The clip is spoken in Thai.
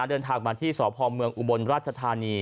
เดินทางมาที่สพเมืองอุบลราชธานี